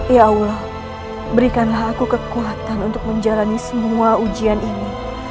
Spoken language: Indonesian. ya allah berikanlah aku kekuatan untuk menjalani semua ujian ini